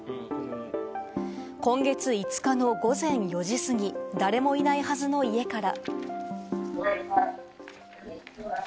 今月５日の午前４時過ぎ、誰もいないはずの家から。